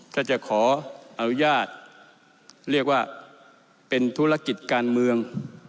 ถ้าจะขออนุญาตเรียกว่าเป็นธุรกิจการเมือง